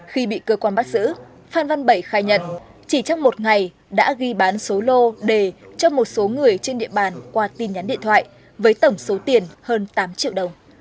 khi bị cơ quan bắt giữ phan văn bảy khai nhận chỉ trong một ngày đã ghi bán số lô đề cho một số người trên địa bàn qua tin nhắn điện thoại với tổng số tiền hơn tám triệu đồng